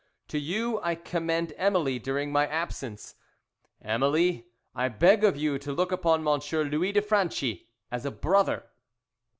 To you, I commend Emily during my absence. Emily, I beg of you to look upon M. Louis de Franchi as a brother.'